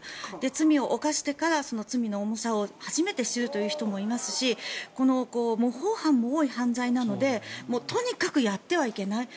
罪を犯してから罪の重さを初めて知るという人もいますし模倣犯も多い犯罪なのでとにかくやってはいけない。